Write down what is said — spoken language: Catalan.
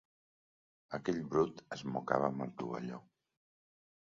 Aquell brut es mocava amb el tovalló.